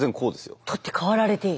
取って代わられている。